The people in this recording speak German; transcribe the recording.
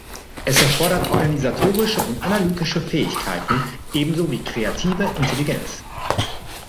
Es erfordert organisatorische und analytische Fähigkeiten ebenso wie kreative Intelligenz.